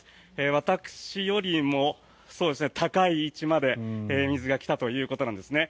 私よりも高い位置まで水が来たということなんですね。